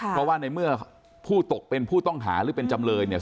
เพราะว่าในเมื่อผู้ตกเป็นผู้ต้องหาหรือเป็นจำเลยเนี่ย